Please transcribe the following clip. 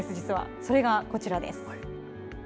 それが、こちらです。